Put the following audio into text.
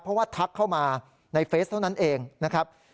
เพราะว่าทักเข้ามาในเฟสเท่านั้นเองนะครับ